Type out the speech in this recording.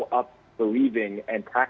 jadi sangat penting kita mengajarkan